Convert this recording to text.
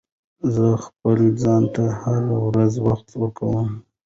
زه خپل ځان ته هره ورځ وخت ورکوم.